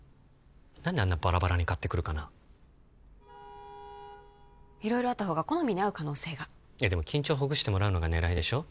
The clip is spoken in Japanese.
何であんなバラバラに買ってくるかな色々あった方が好みに合う可能性がいやでも緊張ほぐしてもらうのが狙いでしょ